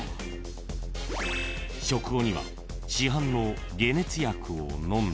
［食後には市販の解熱薬を飲んだ］